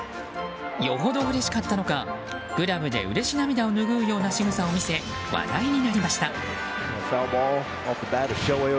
よほどうれしかったのかグラブで、うれし涙を拭うようなしぐさを見せ話題になりました。